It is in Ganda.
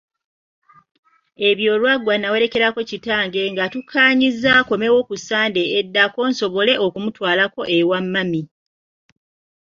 Ebyo olwaggwa nnawerekerako kitange nga tukkaanyizza akomewo ku ssande eddako nsobole n'okumutwalako ewa mami.